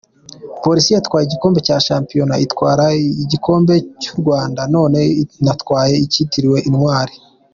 Police yatwaye igikombe cya Shampiyona, itwara igikombe cy’u Rwanda none inatwaye icyitiriwe intwari.